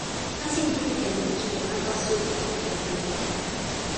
nasin ni li ken toki e nanpa suli kepeken nimi mute ala.